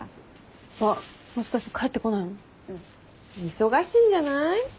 忙しいんじゃない？